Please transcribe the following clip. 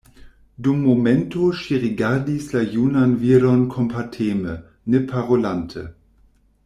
Dum momento ŝi rigardis la junan viron kompateme, ne parolante.